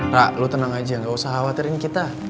ra lo tenang aja gak usah khawatirin kita